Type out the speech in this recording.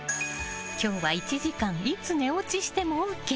今日は１時間いつ寝落ちしてもＯＫ。